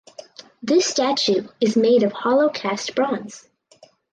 This statue is made of hollow cast bronze.